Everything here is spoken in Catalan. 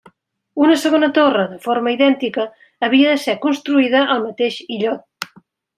Una segona torre, de forma idèntica, havia de ser construïda al mateix illot.